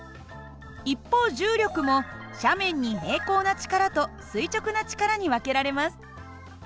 一方重力も斜面に平行な力と垂直な力に分けられます。